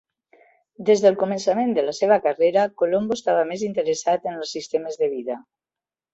Des del començament de la seva carrera, Colombo estava més interessat en els sistemes de vida.